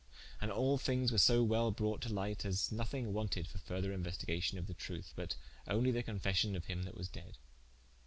And all thinges were so well brought to light, as nothing wanted for further inuestigation of the truthe, but onely the confession of him that was dead.